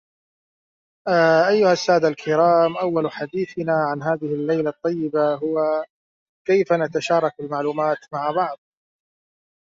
وما سير الهاجون في الشعر خزية